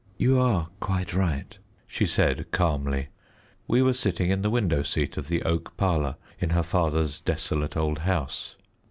"You are quite right," she said calmly. We were sitting in the window seat of the oak parlour in her father's desolate old house.